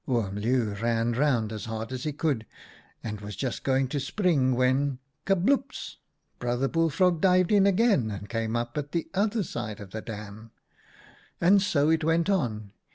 " Oom Leeuw ran round as hard as he could, and was just going to spring, when — kabloops !— Brother Bullfrog dived in again and came up at the other side of the dam. 11 And so it went on.